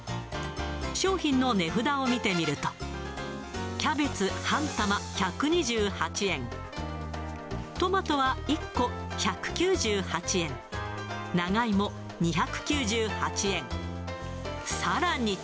商品の値札を見てみると、キャベツ半玉１２８円、トマトは１個１９８円、長芋２９８円、さらに。